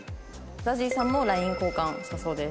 ＺＡＺＹさんもＬＩＮＥ交換したそうです。